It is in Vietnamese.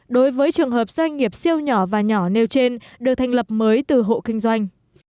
đối với trường hợp doanh nghiệp siêu nhỏ và nhỏ nêu trên được thành lập mới từ hộ kinh doanh